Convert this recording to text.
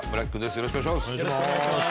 よろしくお願いします。